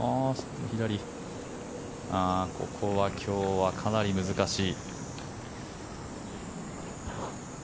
ここは今日はかなり難しい。